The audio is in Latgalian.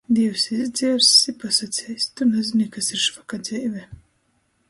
Dīvs izdzierss i pasaceis: Tu nazyni, kas ir švaka dzeive!